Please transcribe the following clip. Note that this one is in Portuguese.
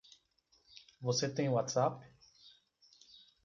Você tem WhatsApp?